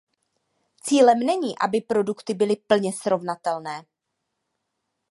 Cílem není, aby produkty byly plně srovnatelné.